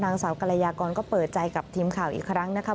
นางสาวกรยากรก็เปิดใจกับทีมข่าวอีกครั้งนะคะ